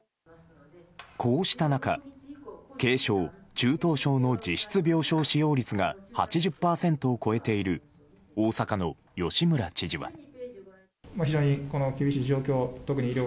こうした中軽症・中等症の実質病床使用率が８０％を超えている大阪の吉村知事は。